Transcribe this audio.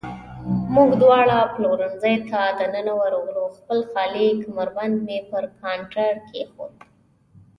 موږ دواړه پلورنځۍ ته دننه ورغلو، خپل خالي کمربند مې پر کاونټر کېښود.